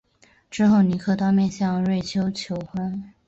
之后尼克当面向瑞秋求婚。